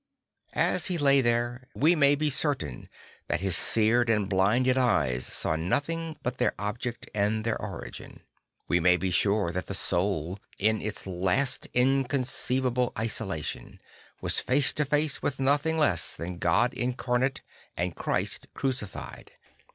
As he lay there we may be certain that his seared and blinded eyes saw nothing but their object and their origin. We may be sure that the soul, in its last inconceivable isola tion, was face to face with nothing less than God Incarnate and Christ Crucified.